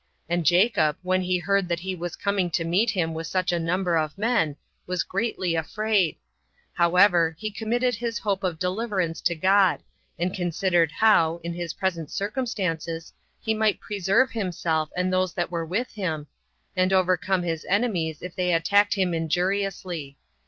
And Jacob, when he heard that he was coming to meet him with such a number of men, was greatly afraid: however, he committed his hope of deliverance to God; and considered how, in his present circumstances, he might preserve himself and those that were with him, and overcome his enemies if they attacked him injuriously.